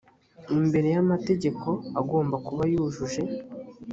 imbere y amategeko agomba kuba yujuje